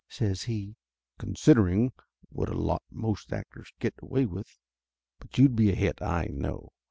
says he. "Considering what a lot most actors get away with! But you'd be a hit, I know